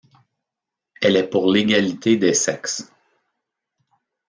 Elle est pour l'égalité des sexes.